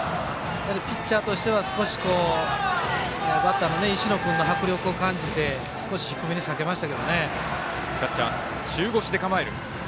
ピッチャーとしては少しバッターの石野君の迫力を感じて少し低めに避けました。